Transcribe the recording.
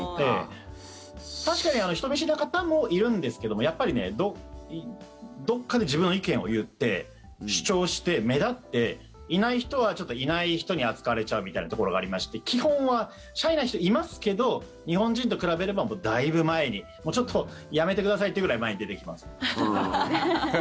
確かに人見知りの方もいるんですけどやっぱりどこかで自分の意見を言って主張して、目立っていない人はいない人に扱われちゃうみたいなところがありまして基本はシャイな人はいますけど日本人と比べればだいぶ前に、ちょっとやめてくださいってぐらい前に出てきますね。